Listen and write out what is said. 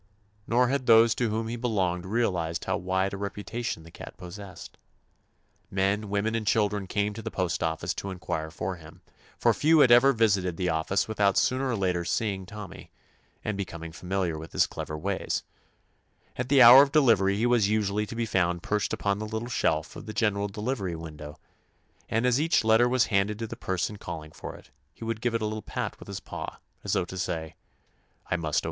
Nor had those to whom he be longed realized how wide a reputa tion the cat possessed. Men, women, and children came to the postoffice to inquire for him, for few had ever vis 184 TOMMY POSTOFFICE ited the office without sooner or later seeing Tommy, and becoming famil rFT^r rrprr Tommy would "O. K." the delivery of each letter with a little pat. iar with his clever ways. At the hour of delivery he was usually to be found perched upon the little shelf 185 THE ADVENTURES OF of the general delivery window, and as each letter was handed to the per son calling for it he would give it a little pat with his paw as though to say, "I must O.